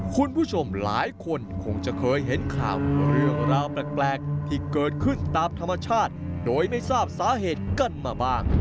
คุณผู้ชมหลายคนคงจะเคยเห็นข่าวเรื่องราวแปลกที่เกิดขึ้นตามธรรมชาติโดยไม่ทราบสาเหตุกันมาบ้าง